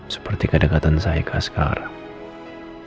seperti kedekatan saya kak sekarang